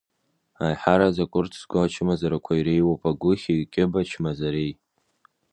Аиҳараӡак урҭ зго ачымазарақәа иреиуоуп агәыхьи акьыба чмазареи.